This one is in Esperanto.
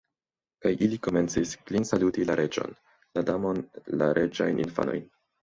Kaj ili komencis klinsaluti la Reĝon, la Damon, la reĝajn infanojn.